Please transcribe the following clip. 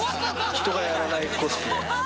人がやらないコスプレ。